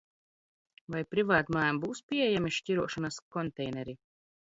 Vai privātmājām būs pieejami šķirošanas konteineri?